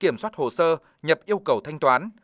bắt hồ sơ nhập yêu cầu thanh toán